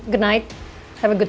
selamat malam selamat tidur